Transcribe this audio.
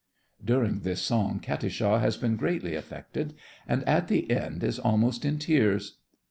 (During this song Katisha has been greatly affected, and at the end is almost in tears.)